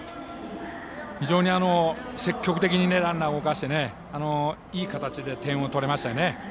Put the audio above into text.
非常に積極的にランナーを動かしていい形で点を取れましたね。